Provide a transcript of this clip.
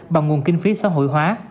bằng nguồn kinh phí xã hội hóa